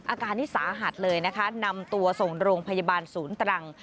อาการนี้สาหัสเลยนะคะนำตัวส่งโรงพยาบาลศูนย์ตรัง